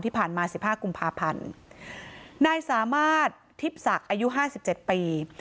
ที่ผ่านมาสิบห้ากุมภาพันธ์นายสามารถทิพย์ศักดิ์อายุห้าสิบเจ็ดปี